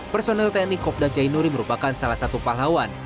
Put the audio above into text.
personel tni kopda jainuri merupakan salah satu pahlawan